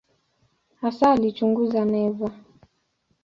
Hasa alichunguza neva.